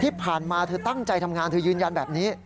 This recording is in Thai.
ที่ผ่านมาเธอตั้งใจทำงานเธอยืนยันแบบนี้